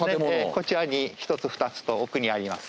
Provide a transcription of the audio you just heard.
こちらに１つ２つと奥にあります。